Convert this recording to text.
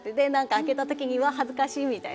開けたときにうわっ、恥ずかしい！みたいな。